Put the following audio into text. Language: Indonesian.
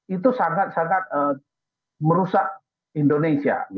itu sangat sangat merusak indonesia